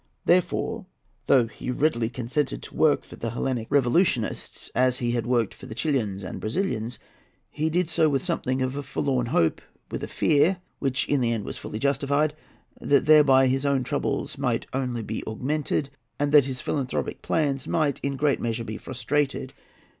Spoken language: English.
Therefore, though he readily consented to work for the Hellenic revolutionists, as he had worked for the Chilians and Brazilians, he did so with something of a forlorn hope, with a fear—which in the end was fully justified—that thereby his own troubles might only be augmented, and that his philanthropic plans might in great measure be frustrated.